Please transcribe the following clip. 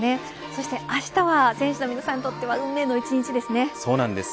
そしてあしたは選手の皆さんにとっては運命のそうなんです。